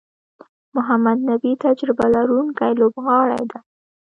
محمد نبي تجربه لرونکی لوبغاړی دئ.